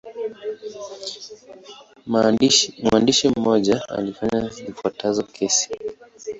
Mwandishi mmoja alifanya zifuatazo kesi.